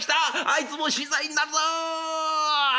あいつも死罪になるぞ」。